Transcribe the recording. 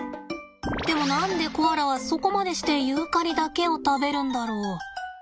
でも何でコアラはそこまでしてユーカリだけを食べるんだろ？